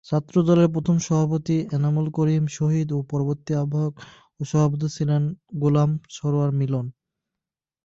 ছাত্রদলের প্রথম সভাপতি এনামুল করিম শহীদ ও পরবর্তী আহ্বায়ক ও সভাপতি ছিলেন গোলাম সারোয়ার মিলন।